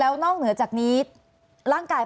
อันดับที่สุดท้าย